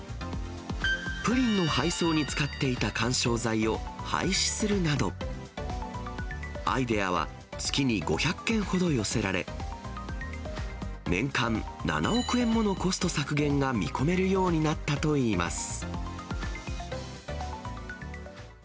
プリンの配送に使っていた緩衝材を廃止するなど、アイデアは月に５００件ほど寄せられ、年間７億円ものコスト削減が見込めるようになったといいます。